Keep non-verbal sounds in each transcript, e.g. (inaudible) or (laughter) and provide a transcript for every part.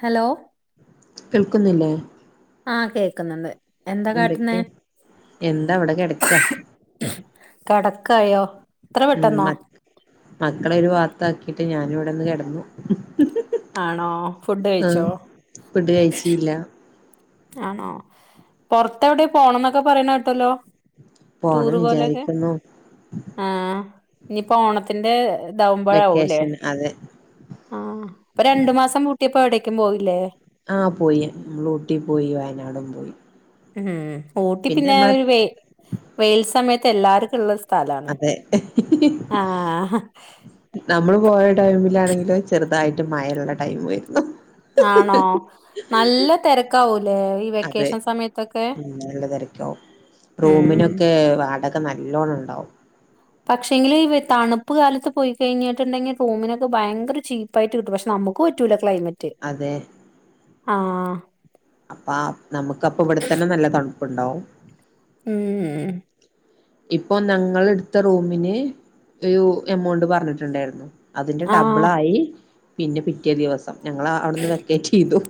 Hello കേൾക്കുന്നില്ലേ? ആഹ് കേക്കുന്നുണ്ട് എന്താ ന്നെ കാട്ടുന്നേ എന്തൊക്കെ? എന്താവിടെ കിടക്കാ കടക്കായോ ഉം മക്ക് മക്കളൊ ഒരു വാത്ത ആക്കിട്ട് ഞാന് ഇവിടെന്ന് കിടന്നു ആണോ ഫുഡ് ആഹ് കഴിച്ചോ ഫുഡ് കഴിച്ചീല ആണോ പൊറത്തെവിടെ പോണം ന്നൊക്കെ പറയണെ കേട്ടല്ലോ പോണം ടൂറ് പോലെയൊക്കെ വിചാരിക്കുന്നു ആഹ് ഇനിയിപ്പോ ഓണത്തിന്റെ ഇതാഉമ്പോഴാവൂല്ലേ വെക്കേഷൻ അതെ ആഹ് ഇപ്പ രണ്ടു മാസം പൂട്ടിയപ്പോ എവിടേക്കും പോയില്ലേ? ആഹ് പോയി മ്മള് ഊട്ടി പോയി വയനാടും പോയി. ഉം ഊട്ടി പിന്നെ ഒരു വെ വെയിൽ സമയത്ത് എല്ലാർക്കും ഉള്ള സ്ഥലാണ് അതെ ആഹ് നമ്മള് പോയ ടൈമിലാണെങ്കില് ചെറുതായിട്ട് മഴയുള്ള ടൈംമുമായിരുന്നു ആണോ നല്ല തിരക്കാവും അതെ നല്ലതിരക്കാവും ഉം റൂമിനൊക്കെ വാടക നല്ലോണം ഇണ്ടാവും പക്ഷെങ്കില് ഈ തണുപ്പ് കാലത്ത് പോയി കഴിഞ്ഞിട്ടുണ്ടെങ്കി റൂമിനൊക്കെ ഭയങ്കര ചീപ്പായിട്ട് കിട്ടും പക്ഷെ ന നമുക്ക് പറ്റൂല ക്ലൈമെറ്റ് അതെ ആഹ് പ്പണ്ടാവും ഉം ഇപ്പൊ നങ്ങള് എടുത്ത റൂമിന് ഒരു എമൗണ്ട് പറഞ്ഞിട്ടുണ്ടായിരുന്നു. അതിന്റെ ആഹ് ഡബിളായി പിന്നെ പിറ്റേ ദിവസം ഞങ്ങള് അവിടുന്ന് വെക്കേറ്റ് ചെയ്തു.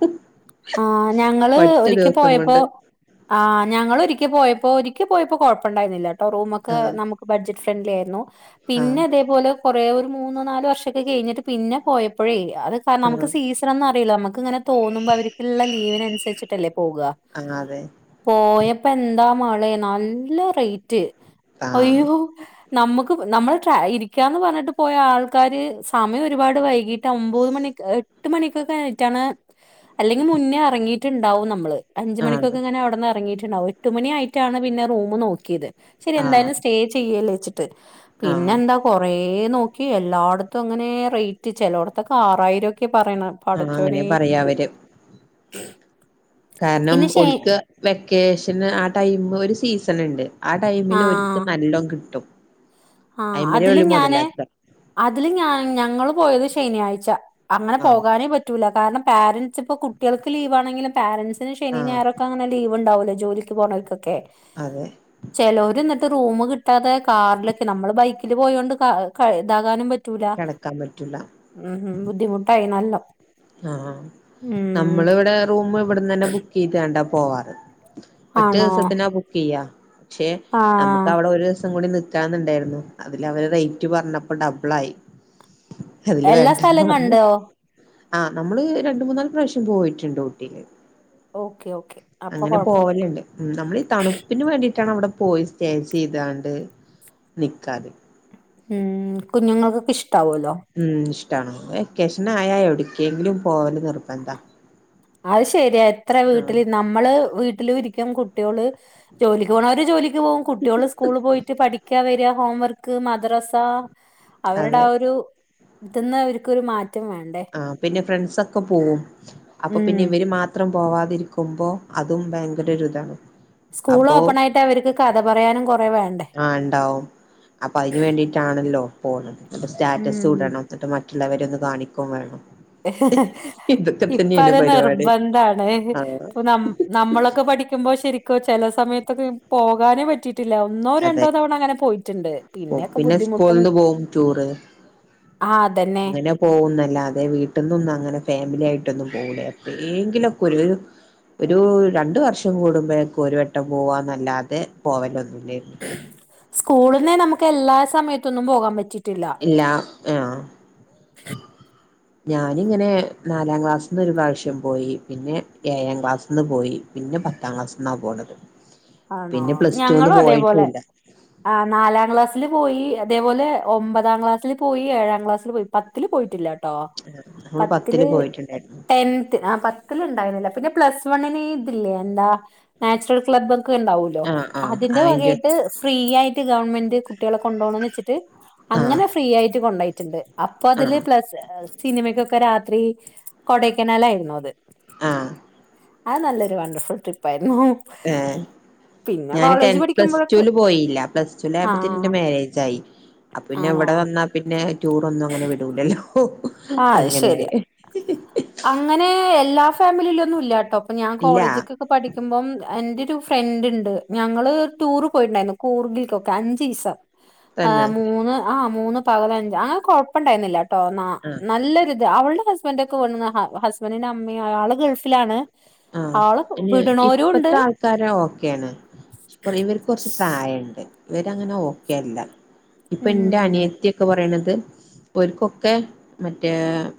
ആ ഞങ്ങള് ഒറ്റ ദിവസം ഒരിക്കപോയപ്പോ കൊണ്ട് ആ ഞങ്ങളൊരിക്ക പോയപ്പോ ഇപ്പോ ഒരിക്ക പോയപ്പോ കുഴപ്പണ്ടായിരുന്നില്ലാ ട്ടോ റൂമൊക്കെ ആഹ് നമുക്ക് ബഡ്ജറ്റ് ഫ്രണ്ട്ലിയായിരുന്നു. ആഹ് പിന്നെ ഇതേപോലെ കൊറേ ഒരു മൂന്നോ നാലു വർഷൊക്കെ കഴിഞ്ഞിട്ട് പിന്നെ പോയപ്പഴേ അത് (unintelligible) നമക്ക് ആഹ് സീസണൊന്നറിയില്ല നമക്ക് ഇങ്ങനെ തോന്നുമ്പവര് ലീവിനനുസരിച്ചിട്ടല്ലേ പോകാ ആഹ് അതെ പോയപ്പെന്താ മാളെ നല്ല റേറ്റ് ആഹ് അയ്യോ നമുക്ക് നമ്മള് ഇരിക്കാന്ന് പറഞ്ഞിട്ട് പോയ ആൾക്കാര് സമയം ഒരുപാട് വൈകീട്ട് ഒമ്പത് മണി എട്ട് മണി ഒക്കെ കഴിഞ്ഞിട്ടാണ് അല്ലെങ്കി മുന്നേ എറങ്ങിട്ടിണ്ടാവും നമ്മള്, അഞ്ച് ആഹ് മണിക്കൊക്കെ ഇങ്ങനെ അവിടെന്ന് എറങ്ങിട്ട് ണ്ടാവും എട്ടുമണിയായിട്ടാണ് പിന്നെ റൂമ് നോക്കിയത് ശെരി ആഹ് എന്തായാലും സ്റ്റേ ചെയ്യല്ലേ ത്ത് പിന്നെ ആഹ് എന്താ കൊറെ ഏഹ് നോക്കി എല്ലാടത്തും അങ്ങനെ റേറ്റ് ചെലോടത്തൊക്കെ ആറായിരം ഒക്കെയാ പറയണ ആഹ് അങ്ങനെ പടച്ചോനേ പറയാ ഇത് അവര് കാരണം പിന്നെ ഷേ ഓൽക്ക് വെക്കേഷന് ആ ടൈമ് ഒരു സീസണിണ്ട് ആ ടൈമില് ഓര്ക്ക് ആഹ് നല്ലോം കിട്ടും. ആഹ് അയിമല് അതില് ഓല് ഞാന് മുതലാക്ക അതില് ഞാ ഞങ്ങള് പോയത് ശെനിയാഴ്ച അങ്ങനെ ആഹ് പോകാനേ പറ്റൂല കാരണം പാരന്റ്സ് ഇപ്പ കുട്ടികൾക്ക് ലീവ് ആണെങ്കിലും പാരന്റ്സ് (unintelligible) ശെനിയും ആഹ് ഞായറൊക്കെ അങ്ങനെ ലീവുണ്ടാവൂല ജോലിക്ക് പോണോർക്കൊക്കെ അതെ ചെലോര് എന്നി റൂം കിട്ടാതെ കാറിലൊക്കെ നമ്മള് ബൈക്കിൽ പോയൊണ്ട് ക ഇതാകാനും പറ്റ റ്റുല കിടക്കാൻ പറ്റൂല മ് മ് ബുദ്ധിമുട്ടായി നല്ല ആഹ് ആഹ് നമ്മള് ഇവിടെ റൂമ് ഇവിടന്ന് തന്നെ ബുക്ക് ചെയ്ത് കണ്ട പോവാറ്- ഒറ്റ ആണോ ദിവസത്തിനാ ബുക്ക് ചെയ്യാ പക്ഷെ നമുക്ക് ആഹ് അവിടെ ഒരു ദിവസം കൂടി നി കാന്നുണ്ടായിരുന്നു അതില് അവര് റേറ്റ് പറഞ്ഞപ്പം ഡബിൾ ആയി അതില് എല്ലാ വേണ്ടന്ന് സ്ഥലം പറഞ്ഞ് കണ്ടോ ആഹ് നമ്മള് രണ്ട് മൂന്നാല് പ്രാവശ്യം പോയിട്ടുണ്ട് ഊട്ടിയില് ഓക്കെ ഓക്കെ അപ്പൊ അങ്ങനെ കൊഴപ്പല്ല പോവലുണ്ട് നമ്മളീ തണുപ്പിന് വേണ്ടിയിട്ടാണ് അവിടെ പോയി സ്റ്റേ ചെയ്താണ്ട് നിക്കാതെ ഉം കുഞ്ഞുങ്ങൾക്കൊക്കെ ഇഷ്ടാവുല്ലോ ട്ടാണ് വെക്കേഷൻ ആയ എവിട്ക്കേങ്കിലും പോവല് നിർബന്ദാ അത് ശെരിയാ എത്ര വീട്ടില് നമ്മള് വീട്ടിലും ഇരി ക്കും കുട്ട്യോള് ജോലിക്ക് പോണോര് ജോലിക്ക് പോവും കുട്യോള് സ്കൂളി പോയിട്ട് പഠിക്കാ വര്യാ ഹോംവർക്ക് മദ്രസ അവരുടെ അതെ ആ ഒരു ഇതിന്ന് അവർക്കൊരു മാറ്റ് ആ പിന്നെ ഫ്രണ്ട്സ് ഒക്കെ പോവും അപ്പം ഉം പിന്നെ ഇവര് മാത്രം പോവാതിരിക്കുമ്പോ അതും ഭയങ്കരൊരുതാ സ്കൂൾ ഓപ്പൺ ആയിട്ട് അവര്ക്ക് കഥ പറയാനും കൊറേ വേ ആഹ് ഇണ്ടാവും അപ്പം അതിനു വേണ്ടിട്ടാണല്ലോ പോണത് സ്റ്റാറ്റസ്സു ഉം ഇടണം എന്നിട്ട് മറ്റുള്ളവരെ ഒന്ന് കാണിക്കോം വേണം ഇതൊക്കെ (inaudible) ഇപ്പം തന്നെയാണ് അത് പരിപാടി നിർബന്ധാണ് ആ ഇപ്പം നം നമ്മളൊക്കെ പഠിക്കുമ്പോ ശെരിക്കും ചില സമയത്തൊക്കെ പോകാനെ പറ്റി പില്ല ഒന്നോ അതെ രണ്ടോ തവണ അങ്ങനെ പോയിട്ടുണ്ട് പിന്നെയൊക്കെ പിന്നെ ബുദ്ധിമുട്ടാ സ്കൂളിന്ന് പോവും ടൂറ് അങ്ങനെ പോവുന്നല്ലാത് അത് വീട്ടിൽന്നൊന്നും അങ്ങനെ ഫാമിലി ആയിട്ടൊന്നും പോവൂല ഏങ്കിലക്കൊരു ഒരു രണ്ട വർഷം കൂടുമ്പോഴേക്ക ഒരു വട്ടം പോവാല്ലാതെ പോവലൊന്നു അെ സ്കൂളിനെ നമുക്ക് എല്ലാ സമയത്തൊന്നും പോകാൻ പറ്റിില്ല ഇല്ല ആഹ ഞാനിങ്ങനെ നാലാം ക്ലാസ്സിന്ന് ഒരു പ്രാവശ്യം പോയി പിന്നെ ഏഴാം ക്ലാസ്സിൽ നിന്ന് പോയി പിന്നെ പത്താം ക്ലാസ്ന്നാ പോകണത് ആണോ ഞങ്ങളും അതേപോലെ ആ നാലാം ക്ലാസ്സിില് പോയി അതേപോലെ ഒമ്പതാം ക്ലാസ്സിൽ പോയി ഏഴാം ക്ലാസ്സിൽ പോയി പത്തില്ൽ പോയിട്ടില്ലട്ട് നമ്മള് കേ പത്തില് പോയിട്ടുണ്ടായിരുന്നു പ പ ഉണ്ടുന്നന്ന പ്ലസ് വൺന ഇില്ലല്ല എന്താ ച്ചുറൽക്ല് ണ്ടല്ലോ ആഹ് ആഹ് അതിന്റെ അയിന്റെ വകട്ട് ഫ്രീ ആയിട്ട് ഗവൺമെന്റ് കുട്ടികളെ കൊണ്ടപോണംന്ന് വെച്ചിട്ട് ആഹ് അങ്ങനെ ഫ്രീ ആയിട്ട് കൊണ്ടയിട്ടുണ്ട് അപ്പൊ അതില് ആഹ് പ്ല സിനിമക്കൊക്കെ രാത്രി കൊടയ്ക്കനാല ആയിരുന്നു അത് ആഹ് അത് നല്ലൊരു വണ്ടർഫുൾ ട്രിപ്പയിരുന്നു ഞാാന് ടെ പ്ലസ് ൂൽ പോയില്ല പ്ലസ് ൂൽ ആയ്പത്തേ എന്റെ ആഹ് മാര്ാരേജ ആായി അ പിന്നെ ആണോ എവിടെ വന്നാ പിന്നെ ടൂർ ഒന്നും അങ്ങനെ വിടൂലല്ലോ ആഹ ശരിയാ അങ്ങനെയായി അങ്ങനെ എല്ലാ ഫാമിലിയില ഒന്നും ഇല്ലട്ടോ അപ്പൊ ഞാൻ ഇല്ല കോളേജിക്കൊക്കെ പഠിക്കുമ്പോം എ് ഒരു ഫ്രണ്ട് ഉണ്ട് ഞങ്ങള് ടൂർ പോയിണ്ടായിരുന്നു കൂർഗിലക്കൊക്കെ അഞ്ചു ദിവസം ആ് തന്നെ മൂന്ന് ആഹ് മൂന്ന് പകല അഞ്ച് അങ്ങനെ കൊഴപ്പണ്ടായിരുന്നില്ല ട്ടോ എന്നാ ആഹ് നല്ലൊരിത് അവളുടെ ഹസ്ബൻഡ ഒക്കെ വ ഹസ്ബന്ഡറിന്റെ അമ്മയും ആള് ഗൾഫിലാണ് ആഹ ആള് അ വിടണോരും ഉണ്ട് ഇപ്പത്തെ ആൾക്കാര ഓക്കെയ ആാണ് റ ഇവർക്ക് കുറച്ച് പ്രായുണ്ട് ഇവരങ്ങനെ ഓക്കെല്ല ഇപ്പൊ എന്റെ ഉം അനിയത്തി ഒക്കെ പറയണ ഒരുക്കൊക്കെ മറ്റേ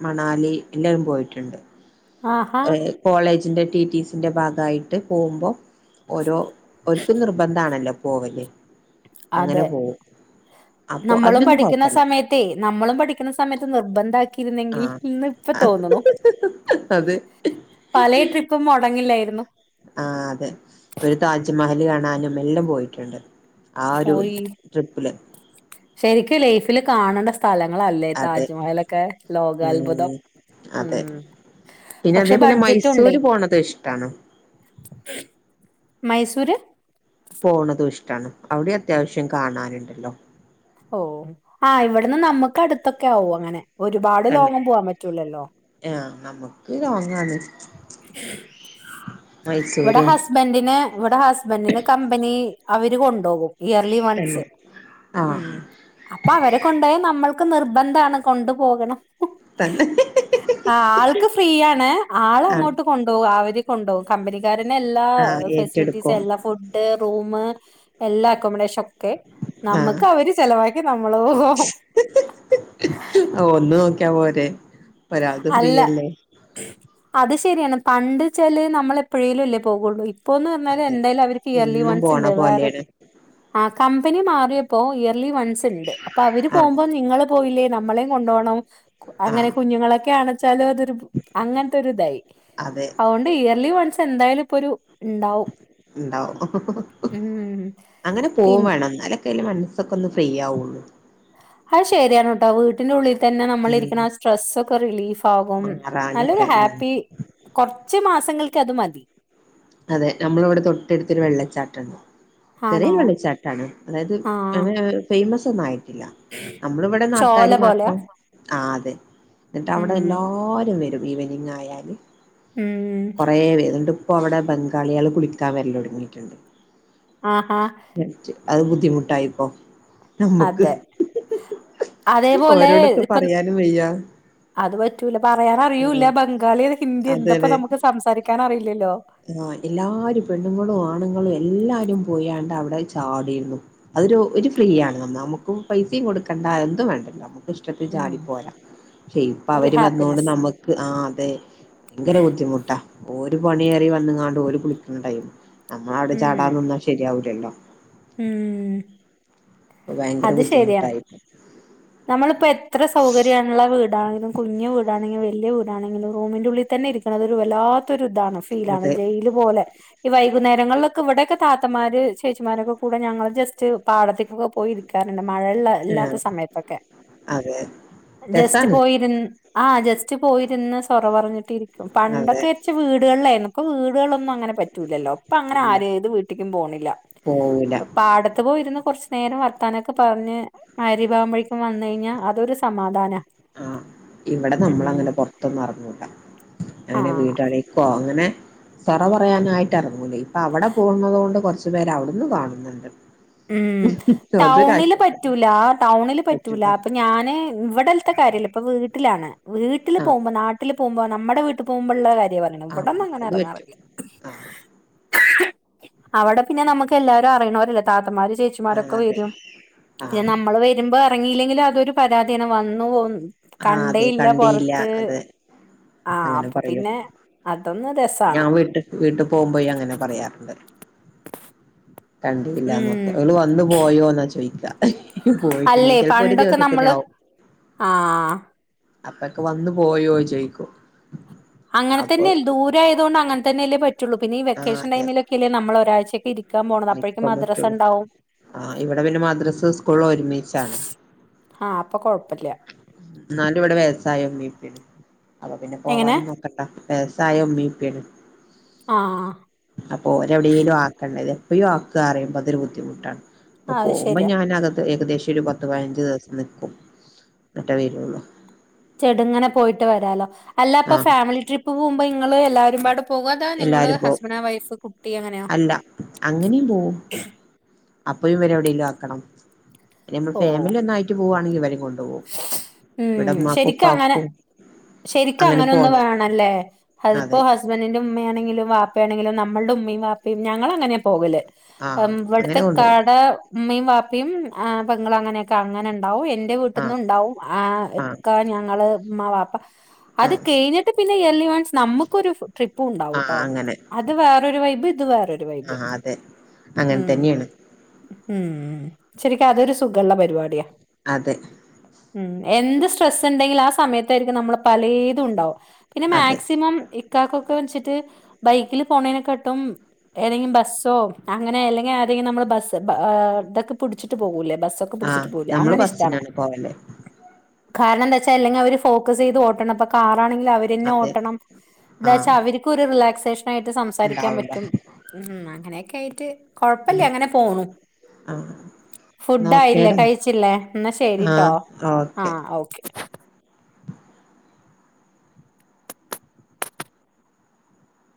മണാലി എല്ലരും പോയിട്ടുണ്ട് ആഹാ കോളേജിന്റെ ടിറ്റീസിന്റെ ഭാഗമായിട്ട് പോകുമ്പോൾ ഓരോ ഒരിക്കും നിർബന്ധ ആണല്ലോ പോവല് അതെ അങ്ങനെ പോകവും നമ്മളും പഠിക്കുന്ന സമയത്തേ നമ്മളും പഠിക്കുന്ന സമയത്ത് നിർബന്ധി രുന്നെങ്കിൽ ആഹ് ഇന്ന് ഇപ്പ തോന്നണ അത് പല ട്രിപ്പും മുടങ്ങില്ലായിരുന്നു ആ അതെ ഒരു താജ്മഹല് കാണാനും എല്ലും പോയിട്ടുണ്ട് ആ ഒരു പോയി ട്രിപ്പില് ശരിക്കും ലൈഫില് കാണേണ്ട സ് സ്ഥലങ്ങളല്ലേ അതെ താജ്മഹലൊക്കെ ലോകാത്ഭുതം ഉം അതെ ഉം പിന്നെ പക്ഷെ അതേപോലെ ബഡ്ജറ്റും ഉണ്ടേ മൈസൂര് പോണത് ഇഷ്ടാണോ മൈസൂര് പോണതും ഇഷ്ടാണ് അവിടെ അത്യാവശ്യം കാണാനുണ്ടല്ലോ ഓ ആ് ഇവിടുന്ന് നമ്മുക്ക് അടുത്തൊക്കെ ആവുംും അങ്ങനെ ഒരുപാട് തന്നെ ലോങ്ങം പോവാൻ പറ്റൂലല്ലോ ആഹ് നമുക്ക് ലോങ്ങാണ് ഹഹസ്ജ്സ്ജിസ്‌ജ് ഇവിടെ മൈസൂരും ഹസ്ബെൻഡിന് ഇവിടെ ഹസ്ബെൻഡിന് കമ്പനി അവര് കൊണ്ടോക്കും ഇയർലി വൺസ് തന്നെ ഉ ആഹ് അപ്പൊ അവരെ കൊണ്ടായൽ നമ്മൾ െ നിർബന്ധണ് കൊണ്ടു പോോകണം തന്നെ ആ ആൾക്ക് ഫ്രീയാണ് ആള് ആഹ് അങ്ങോട്ട് കൊണ്ടോവും അവര് കൊണ്ടോ കമ്പനിക്കാരന് എല്ലാ ആഹ് ഫെസിലിറ്റീസ് ഏറ്റെടുക്കും എല്ലാ ഫുഡ് റൂമ് എല്ലാ അക്കോമഡേഷൊ ക്കെ ആഹ് നമ്മക്ക് അവര് ചെലവാക്കി നമ്മള് (unintelligible) ആ ഒന്ന് നോക്കിയാ പോ പരാത് അല്ല ഫ്രീയല്ലേ അത് ശരിയാണ് പണ്ട് ചെല് നമ്മൾ എപ്പോഴേലും ഇല്ലേ പോകുള്ളൂ ഇപ്പോന്ന് പറഞ്ഞാല് അതെ എന്തായാലും അവർക്ക് ഇയർലി എന്നും വൺസ് പോണ ഇണ്ട് വേറെ പോലെയാണ് കമ്പനി മാറിയപ്പോ ഇയർലി വൺസ് ഉണ്ട് അപ്പോ അവര് ആഹ് പോകുമ്പോ നിങ്ങള് പോയില്ലേ നമ്മളെയ കൊണ്ട പോണം അങ്ങനെ ആഹ് കുഞ്ഞുങ്ങള ച്ചാല അതൊരു അങ്ങനത്തെ ഇതായി അതെ അതുകൊണ്ട് ഇയർലി വൺസ് എന്തായാലും ഇപ്പൊ ഒരു ഇണ്ടാവും ഉണ്ടാവും ഉം അങ്ങനെ പോക പിൻ വേണംന്നല്ലെ ല് മനസ്സൊക്കെ ഒന്ന് ഫ്രീ ആവുള്ളൂ (unintelligible) ആത് ശരിയാണ് കേട്ടോ വീട്ടിന്റെ ഉള്ളിൽ തന്നെ നമ്മള ഇരിക്കുന്ന ആ ഉം സ്ട്രെസ് ഒക്കെ റിലീഫ് ആകും നല്ലൊരു മാറാനൊക്കെ ഹാ ഉം ത്തി കുറച്ച് മാസങ്ങൾക്ക് അതുമതി അതെ നമ്മള ഇവിടെ തൊട്ടടുത്തൊരു വെള്ളച്ചാട്ടാണ് ചെറിയ ആണോ വെള്ളിച്ചാട്ടാണ് അതായത് ആഹ് അങ്ങന ഫേമസ് ഒന്നുമായിട്ടില്ല നമ്മളിവിടെ ചോല പോലെയാ നട്ടെനുമാത്രം ആ അതെ എന്നിട്ടവിടെ ഉം എല്ലാരും വരും ഈവനിങ് ആയാല് ഉം കുറേ വീണ്ടും ഇപ്പൊവിടെ ബംഗാളിയള് കുളിക്കാൻ വരല് തൊടങ്ങിട്ടുണ്ട് ആ ആ അത് ബുദ്ധിമുട്ടായിപ്പോ നമ്മുക്ക് അതെ അതേപോലെ ഓരോടത്ത് ഇപ്പൊ പറയാനും (inaudible) അത് പറ്റൂല പറയാനറിയൂല്ല ഉം ബംഗാളികള് ഹിന്ദി എന്തപ്പാ നമ്മക്ക് സംസാരിക്കാനറിയില്ലല്ലോ ആ എല്ലാരും പെണ്ണുങ്ങളും ആണുങ്ങളും എല്ലാരും പോയാണ്ട് അവിടെ ചാടിയിരുന്നു അതൊരു ഒരു ഫ്രീ ആണ് നമുക്ക് പൈസയും കൊടുക്കേണ്ട എന്തും വേണ്ടോ നമുക്ക് ഇഷ്ടത്തി ഉം ചാടിപ്പോരാം പക്ഷെ ഇപ്പൊ ഒരു അവര് വന്നുകൊണ്ട് ഹാപ്പിനെസ് നമുക്ക് ആ അതെ ഭയങ്കര ബുദ്ധിമുട്ടാ ഓര് ഒരു പണിയേറി വന്നങ്ങാണ്ട് ഓര് കുളിക്കുന്ന ടൈമ് നമ്മൾ അവിടെ ഉം ചാടാൻ നിന്നാൽ ശരിയാവില്ലല്ലോ ഉം ഭയങ്കര അത് ശരിയാണ് ബുദ്ധിമുട്ടായിട്ട് നമ്മളിപ്പോ എത്ര സൗകര്യള്ള വീടാണെങ്കിലും കുഞ്ഞു വീടാണെങ്കിലും വലൃ വൂടാണെങ്കിൽ റൂമിന്റെ ഉള്ളിൽ തന്നെ ഇരിക്കണ ഒരു വല്ലാത്തൊ ഒരു ഇതാണ് ഫീലാണ് അതെ ജയില് പോലെ ഈ വൈകുന്നേരങ്ങളിലൊക്കെ ഇവിടെയൊക്കെ താത്തമാര് ചേച്ചിമാരൊക്കെ കൂടെ ഞങ്ങൾ ജസ്റ്റ് പാടത്തേക്കൊക്കെ പോയി ഇരിക്കാറുണ്ട് മഴയൊള്ള ആഹ് ഇല്ലാത്ത സമയത്തൊക്കെ അതെ ജസ്റ്റ് രസാണ് പോയിരുന്ന് ആ ജസ്റ്റ് പോയിരുന്ന് സൊറ പറഞ്ഞിട്ടിരിക്കും അതെ പണ്ടൊക്കെ വെച്ച വീടുകളിലായിക്ക വീടുകളൊന്നും അങ്ങനെ പറ്റല്ലോ അപ്പ അങ്ങനെ ഇല്ല ആരത് വീട്ടിക്കും പോണില്ല പോവൂല പാടത്ത് പോയിരുന്ന് കുറച്ച് നേരം വർത്താനൊക്കെ പറഞ്ഞ് ആരിമാവുമ്പോഴേക്കും വന്ന കഴിഞ്ഞാൽ അതൊരു സമാധാനമാണ് ആഹ ഇവിടെ നമ്മള അങ്ങനെ പൊറത്തൊന്നും ഇറങ്ങൂല ആ അങ്ങനെ വീട്ണിക്കോ അങ്ങനെ സെറ പറയാനായിട്ട് ഇറങ്ങൂലേ ഇപ്പൊ അവിടെ പോകുന്നത കൊണ്ട് കുറച്ചു പേര് അവിടുന്ന് കാണുന്നുണ്ട് ഉം ടൗണില് അതൊരാശ്വാസല്ലേ പറ്റൂല ടൗണില് പറ്റൂല അപ്പൊ ഞാന് ഇവിടെലത്തെ കാര്യല്ല ഇപ്പ വീട്ടിലാണ് വീട്ടിൽ ആഹ് പോകുമ്പോ നാട്ടിൽ പോകുമ്പോ നമ്മുടെ വീട്ടിൽ പോകുമ്പോുള്ള കാര്യമാ പറഞ്ഞെ ആഹ് ഇവിടെങ്ങും അങ്ങനെ അത് പറ്റും ഇറങ്ങാറില്ല ആഹ് അവിടെ പിന്നെ നമുക്ക് എല്ലാരും അറിയണവരല്ലേ താത്തമാര് ആഹ് ചേച്ചിമാരൊക്കെ അതെ വരും പിന്നെ ആഹ് നമ്മള് വരുമ്പോ ഇറങ്ങിയില്ലെങ്കിലും അതൊരു പരാതിയാണ് വന്നു പോ ആഹ് അതെ കണ്ടേയില്ല കണ്ടിയില്ല പൊറത്ത് അതെ ആഹ അങ്ങനെ അപ്പൊ പറയും പിന്നെ അതൊന്ന് രസാണ് ഞാൻ വീട്ട വീട്ടിൽ പോകുമ്പോയി അങ്ങനെ പറയാറുണ്ട് കണ്ടില്ല ഉം നോക്കെ അവള് വന്നു പോയോന്നാ ചോദിക്കാം പോയിട്ടുണ്ട അല്ലേ ചിലപ്പോ ഒരു പണ്ടൊക്കെ ദിവസത്തിന നമ്മള് ആവും ആ അപ്പൊക്കെ വന്ന് പോയോ ജയിക്കോ അങ്ങനെ തന്നെല്ല ദൂരം ആയകൊണ്ട് അങ്ങനെന്ന അല്ലേ പറ്റുള്ളൂ പിന്ന ഈ ആഹ് വെക്കേഷൻ അതെ ടൈംമിൽ ഒക്കെ അല്ലേ നമ്മള ഒരാഴ്ച നിക്കാൻ പറ്റുള്ളൂ ആ ഇവിടെ പിന്നെ മദ്രസ് സ്കൂൾ ഒരുമിച്ചാണ് ആഹ അപ്പൊ കൊഴപ്പില്ല എന്നാലും ഇവിടെ വ്യവസായം മീപ്പന് അപ്പൊ പിന്നെ എങ്ങനെ പോവാനും നോക്കട്ടാ പെസായ ഉമ്മപ്പണ് ആ അപ്പൊ ഒരെവിടെേലും ആക്കണ്ടത് അയ്യോ ആക്ക അറിയുമ്പോ അതൊരു ബുദ്ധിമുട്ടാണ് അപ്പ അത് പോകുമ്പോ ശരിയാ ഞാനക ഏകദേശം പക്ഷ ഒരു പത്ത് പതിനഞ്ച് ദിവസം നിക്കും എന്നറ്റ പേരുള്ള ചെട ഇങ്ങനെ പോയിട്ട് വരാമാലോ അല്ല ഇപ്പൊ ആഹ് ഫാമിലി ട്രിപ്പ് പോകുമ്പോ നിങ്ങ എല്ലാവാരുംപാട് പോകാതാ നിങ്ങള് എല്ലാരും പോവും ഹസ്ബൻഡ വൈഫ് കുട്ടി എങ്ങനെയ അല്ല അപ്പും ഇവരെ എവിടെേലും ആക്കണം നമ്മൾ പോവും ഫാമിലി ഒന്നായിട്ട് പോവവാണെങ്കിൽ ഇവര കൊണ്ടു പോകും ഉം ശരിക്കും അങ്ങനെ ശരിക്കും അങ്ങനെ ഒന്ന് വേണല്ലേ അത് ഇപ്പോ അതെ ഹസ്ബൻഡിന്റെ ഉമ്മയാണെങ്കിലും വാപ്പ അപ്പോണെങ്കിലും നമ്മുടെ ഉമ്മയും വാപ്പയും ഞങ്ങൾ അങ്ങനെ പോകുന്നനെ ആഹ് അങ്ങനെ ഇവിടുത്തെ കൊണ്ടുപോകും കാട ഉമ്മയും വാപ്പയും ആ പെങ്കും അങ്ങനെയൊക്കെ അങ്ങനെ ഉണ്ടാവും എന്റെ ആഹ് വീട്ടന്നണ്ടാവും ആ ആഹ് ഞങ്ങൾ ഉമ്മ വാപ്പ അത് ആഹ് കഴിഞ്ഞിട്ട് (unintelligible) നമുക്കൊരു ട്രിപ്പ് ഉണ്ടാവ ആഹ് കേട്ടോ അങ്ങനെ അത് വേറൊരു വൈബ് ഇത് വൈബ് അതൊരു വൈബ് ആഹ് അതെ അങ്ങനെ ഉം തന്നെയാണ് ഉം ശരിക്കും അതൊരു സുഖമുള്ള പരിപാടിയാ അതെ ഉം എന്ത് സ്ട്രെസ് ഉണ്ടെങ്കിലും ആ സമയത്തായിരിക്കും നമ്മള് പലതും ഉണ്ടാവാ പിന്നെ അതെ മാക്സിമം ഇക്കാക്കൊക്കെ വെച്ചിട്ട് ബൈക്കില് പോണേനൊക്കെട്ടും ഏതെങ്കിലും ബസ്സോ അങ്ങനെ അല്ലെങ്കിൽ ആരങ്കിലും നമ്മള് ബസ്സ് ഇതൊക്കെ പിടിച്ചിട്ട് പോകൂല്ലേ ബസ്സൊക്കെ ആഹ് പിടിച്ചിട്ട് പോല നമ്മള് അങ്ങനെ ഇഷ്ടാണ് ബസ്സിനാണ് പോവല് കാരണം എന്താ വെച്ചാ അല്ലെങ്കിൽ അവര് ഫോക്കസ് ചെയ്ത് ഓട്ടണം അപ്പോ കാർ അതാണെങ്കിൽ അവര് തന്നെ അതെ ഓട്ടണം എന്താണ് ആഹ് വെച്ചാൽ അവർക്കും ഒരു റിലാസ് ആയിട്ട് സംസാരിക്കാൻ ഉണ്ടാവൂല പറ്റും ഉം അങ്ങനെയൊക്കെ ആയിട്ട് ഉം കുഴപ്പില്ലേ അങ്ങനെ പോണു ആഹ് ഫു ല്ല നോക്കേടാ കഴിച്ചില്ലേ എന്നാ ശരിട്ടോ ആഹ് ആ ഓക്കെ ഓക്കേ